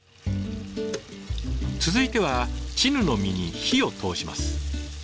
続いてはチヌの身に火を通します。